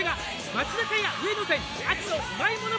「松坂屋上野店秋のうまいもの